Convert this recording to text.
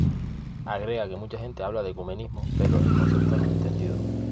Agrega que mucha gente habla de ecumenismo, pero el concepto no es entendido.